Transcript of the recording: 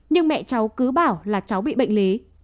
nhưng mẹ cháu cứ bảo là cháu bị bệnh lý